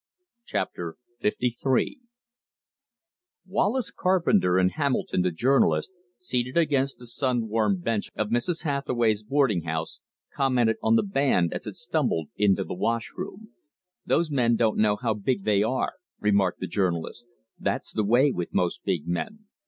Chapter LIII Wallace Carpenter and Hamilton, the journalist, seated against the sun warmed bench of Mrs. Hathaway's boarding house, commented on the band as it stumbled in to the wash room. "Those men don't know how big they are," remarked the journalist. "That's the way with most big men.